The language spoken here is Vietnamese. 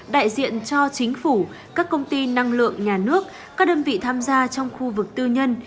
đại diện cho chính phủ các công ty năng lượng nhà nước các đơn vị tham gia trong khu vực tư nhân